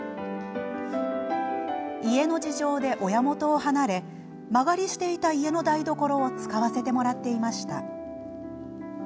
家の事情で親元を離れ間借りしていた家の台所を使わせてもらっていました。